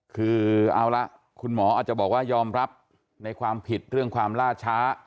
คือเอาละคุณหมออาจจะบอกว่ายอมรับในความผิดเรื่องความล่าช้า